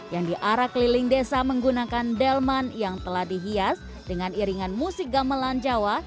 yang diarah keliling desa menggunakan delman yang telah dihias dengan iringan musik gamelan jawa